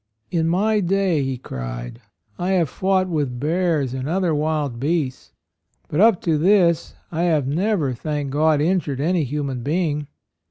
"In my day," he cried, "I have fought with bears and other wild beasts, but up to this I have never, thank God, injured any human being.